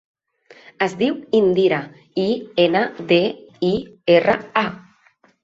Es diu Indira: i, ena, de, i, erra, a.